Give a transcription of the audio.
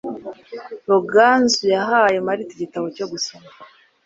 Ruganzu yahaye Marita igitabo cyo gusoma.